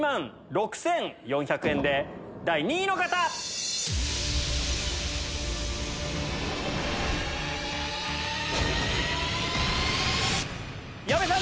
１万６４００円で第２位の方！来た！